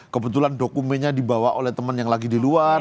kebetulan dokumennya dibawa oleh teman yang lagi di luar